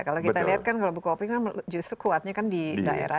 kalau kita lihat kan kalau bukopi kan justru kuatnya kan di daerah